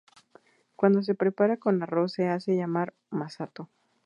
Cuando se prepara con arroz se hace llamar masato.